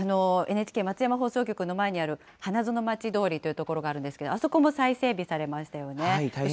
ＮＨＫ松山放送局の前にある、花園町通りという道があるんですけれども、あそこも再整備されましたよね。